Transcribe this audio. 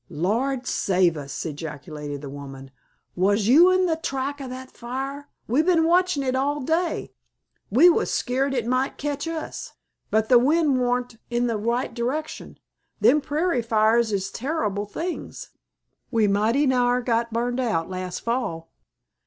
"Lord save us!" ejaculated the woman. "Was you in the track o' that fire? We been watchin' it all day. We was skeered it might ketch us, but the wind wa'n't in th' right direction. Them prairie fires is terrible things. We mighty nigh got burned out last fall."